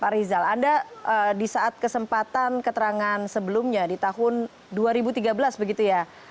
pak rizal anda di saat kesempatan keterangan sebelumnya di tahun dua ribu tiga belas begitu ya